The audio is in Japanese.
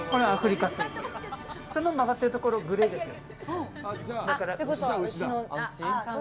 角曲がってるところ、グレーですよね。